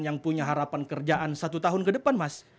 yang punya harapan kerjaan satu tahun ke depan mas